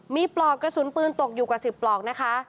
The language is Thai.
มีปลอกกระสุนปืนตกอยู่กว่า๑๐ปลอกนะคะ